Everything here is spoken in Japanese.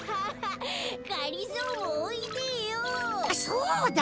そうだ！